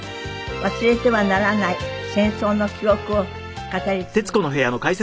忘れてはならない戦争の記憶を語り継ぎます。